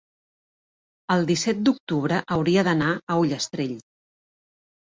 el disset d'octubre hauria d'anar a Ullastrell.